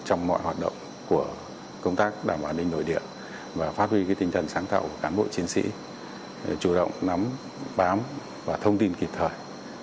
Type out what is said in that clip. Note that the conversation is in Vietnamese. trong mọi hoạt động của công tác đảm bảo an ninh nội địa và phát huy tinh thần sáng tạo của cán bộ chiến sĩ chủ động nắm bám và thông tin kịp thời